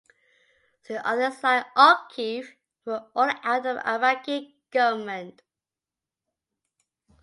Still others, like O'Keefe, were ordered out by the Iraqi government.